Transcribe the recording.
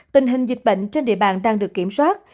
tình hình dịch bệnh trên địa bàn đang được kiểm soát